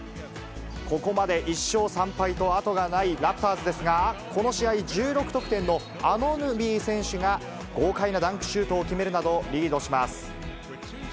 ここまで１勝３敗とあとがないラプターズですが、この試合１６得点のアヌノビー選手が豪快なダンクシュートを決めるなど、リードします。